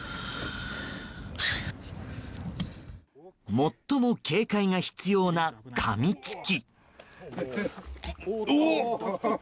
最も警戒が必要なかみつき。